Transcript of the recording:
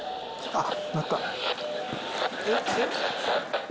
あっ。